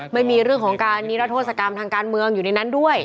ไม่มีเรื่องของการนิรัทธศกรรมทางการเมืองอยู่ในนั้นด้วย